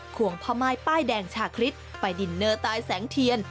วงพ่อม่ายป้ายแดงชาคริสไปดินเนอร์ใต้แสงเทียน